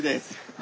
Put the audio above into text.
あ。